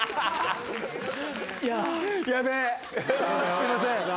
すいません。